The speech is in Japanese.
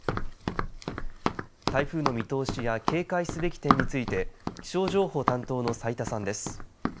台風の見通しや警戒すべき点について気象情報担当の斉田さんです。